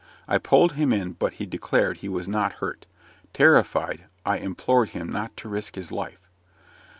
I pulled him in, but he declared he was not hurt. Terrified, I implored him not to risk his life.